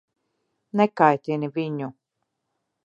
Nekaitini viņu.